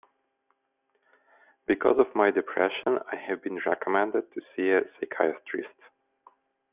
Because of my depression, I have been recommended to see a psychiatrist.